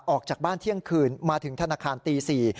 ออกจากบ้านเที่ยงคืนมาถึงธนาคารตี๔